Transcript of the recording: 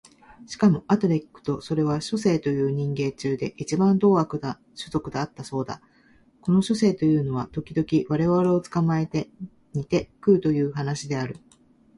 しかもあとで聞くとそれは書生という人間中で一番獰悪どうあくな種族であったそうだ。この書生というのは時々我々を捕つかまえて煮にて食うという話である。